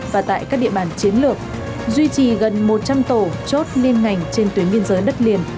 và tại các địa bàn chiến lược duy trì gần một trăm linh tổ chốt liên ngành trên tuyến biên giới đất liền